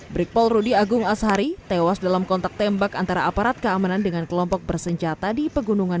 brikpol rudy agung asari tewas dalam kontak tembak antara aparat keamanan dengan kelompok bersenjata di pegunungan